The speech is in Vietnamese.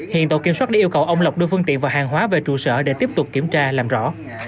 hiện tổ kiểm soát đã yêu cầu ông lộc đưa phương tiện và hàng hóa về trụ sở để tiếp tục kiểm tra làm rõ